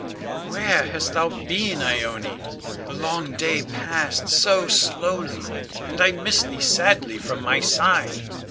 _] Where hast thou been, Ione? The long day passed so slowly, and I missed thee sadly from my side.